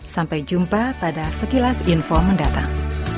sampai jumpa pada sekilas info mendatang